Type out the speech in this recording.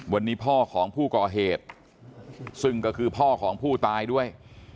วันนี้พ่อของผู้ก่อเหตุซึ่งก็คือพ่อของผู้ตายด้วย